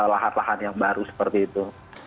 lahat lahat yang baru seperti itu